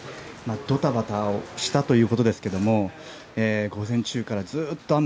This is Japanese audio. ドタバタをしたということですが午前中からずっと雨。